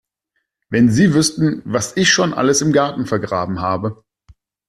Wenn Sie wüssten, was ich schon alles im Garten vergraben habe!